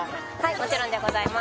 もちろんでございます